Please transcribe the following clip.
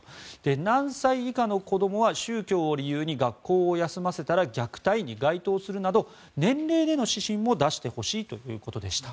何歳以下の子どもは宗教を理由に学校を休ませたら虐待に該当するなど年齢での指針も出してほしいということでした。